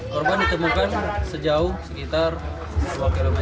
korban ditemukan sejauh sekitar dua km